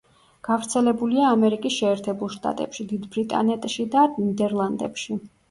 გავრცელებულია ამერიკის შეერთებულ შტატებში, დიდ ბრიტანეტში და ნიდერლანდებში.